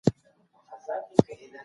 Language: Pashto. ما په اتم ټولګي کي يو کتاب واخیست.